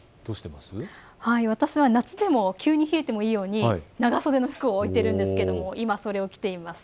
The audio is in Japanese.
私は夏でも急に冷えてもいいように長袖の服を置いているんですけれども今それ着ています。